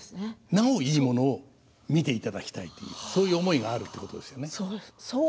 なお、いいものを見ていただきたいというそういう思いがあるということですよね。